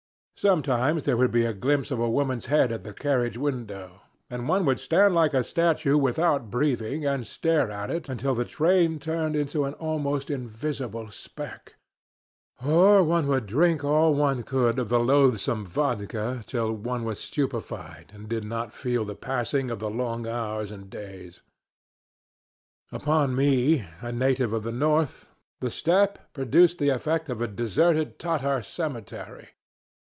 Sometimes there would be a glimpse of a woman's head at a carriage window, and one would stand like a statue without breathing and stare at it until the train turned into an almost invisible speck; or one would drink all one could of the loathsome vodka till one was stupefied and did not feel the passing of the long hours and days. Upon me, a native of the north, the steppe produced the effect of a deserted Tatar cemetery.